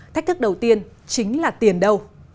thách thức đầu tiên chính là tiền đầu